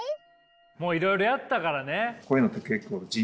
もういろいろやったからね。